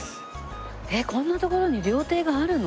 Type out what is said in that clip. えっこんな所に料亭があるの？